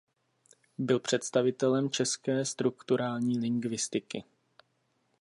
Byl představitelem české strukturální lingvistiky.